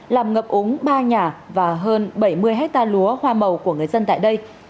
làm ngập úng ba nhà và hơn bảy mươi hectare lúa hoa màu của người dân tại đây